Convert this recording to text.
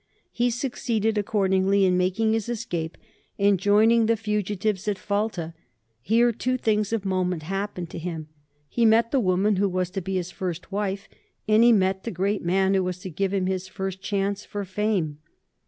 He succeeded accordingly in making his escape and joining the fugitives at Falta. Here two things of moment happened to him. He met the woman who was to be his first wife, and he met the great man who was to give him his first chance for fame.